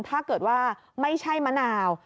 ถ้าเกิดว่าไม่ใช่มะนาว